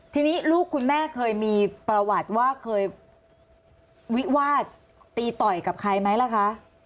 ทีนี้ลูกคุณแม่เคยมีประวัติว่าเคยวิวาสตีต่อยกับใครไหมล่ะคะ